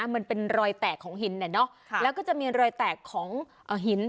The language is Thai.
มันเป็นรอยแตกของหินแล้วก็จะมีรอยแตกของหิน